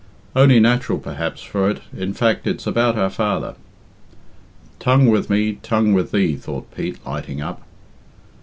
"Only natural, perhaps, for it in fact, it's about our father." "Tongue with me, tongue with thee," thought Pete, lighting up.